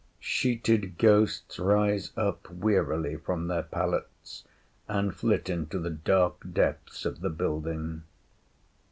Sheeted ghosts rise up wearily from their pallets, and flit into the dark depths of the building.